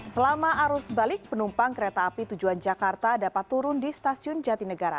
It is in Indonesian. selama arus balik penumpang kereta api tujuan jakarta dapat turun di stasiun jatinegara